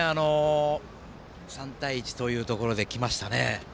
３対１というところできましたね。